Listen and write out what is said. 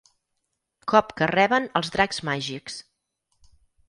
Cop que reben els dracs màgics.